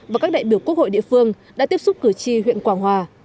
và các đại biểu quốc hội địa phương đã tiếp xúc cử tri huyện quảng hòa